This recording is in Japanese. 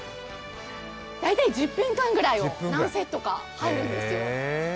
大体１０分間ぐらいを何セットか入るんですよ。